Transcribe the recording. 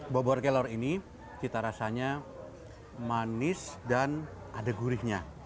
bobor kelor ini cita rasanya manis dan ada gurihnya